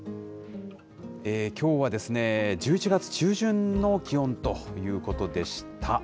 きょうは１１月中旬の気温ということでした。